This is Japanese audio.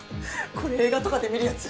これ映画とかで見るやつ。